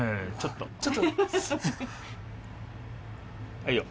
はいよ。